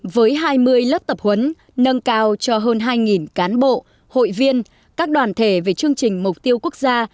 với hai mươi lớp tập huấn nâng cao cho hơn hai cán bộ hội viên các đoàn thể về chương trình mục tiêu quốc gia